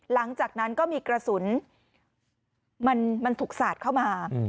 หลังจากนั้นก็มีกระสุนมันถูกสาดเข้ามา